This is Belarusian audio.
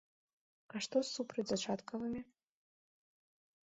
А што з супрацьзачаткавымі?